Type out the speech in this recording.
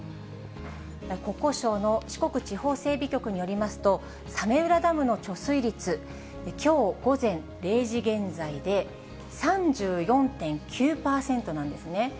国交省の四国地方整備局によりますと、早明浦ダムの貯水率、きょう午前０時現在で３４．９％なんですね。